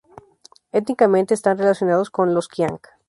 Étnicamente están relacionados con los qiang.